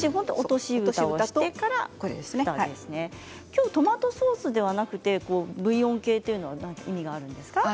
きょうトマトソースではなくてブイヨン系というのは意味があるんですか？